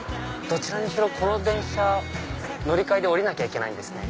どちらにしろこの電車乗り換えで降りなきゃいけないんですね。